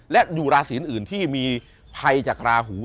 และอยู่ราศีอื่นที่มีภัยจากราหู